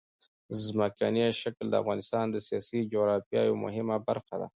ځمکنی شکل د افغانستان د سیاسي جغرافیه یوه مهمه برخه ده.